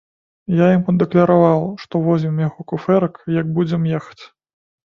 Я яму дакляраваў, што возьмем яго куфэрак, як будзем ехаць.